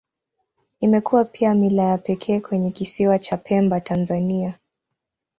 Imekuwa pia mila ya pekee kwenye Kisiwa cha Pemba, Tanzania.